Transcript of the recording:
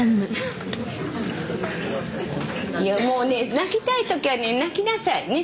いやもうね泣きたい時はね泣きなさいね。